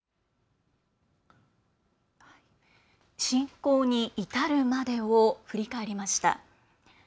侵攻に至るまでを振り返りました。